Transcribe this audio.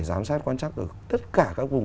giám sát quan trắc được tất cả các vùng